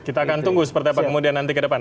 kita akan tunggu seperti apa kemudian nanti ke depan